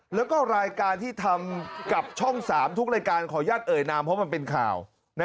แล้วก็รายการที่ทำกับช่อง๓ทุกรายการขออนุญาตเอ่ยนามเพราะมันเป็นข่าว